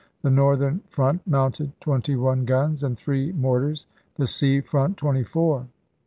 The northern front mounted twenty one guns and three mortars, the sea front twenty four.